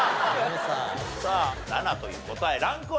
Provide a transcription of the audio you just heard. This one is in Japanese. さあ「七」という答えランクは？